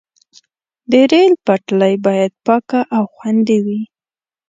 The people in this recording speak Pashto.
د ریل پټلۍ باید پاکه او خوندي وي.